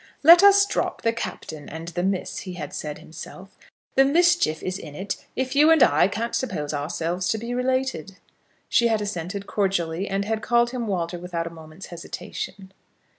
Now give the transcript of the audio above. ] "Let us drop the Captain and the Miss," he had said himself; "the mischief is in it if you and I can't suppose ourselves to be related." She had assented cordially, and had called him Walter without a moment's hesitation.